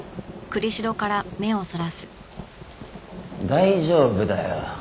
大丈夫だよ。